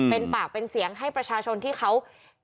เป็นปากเป็นเสียงให้ประชาชนที่เขา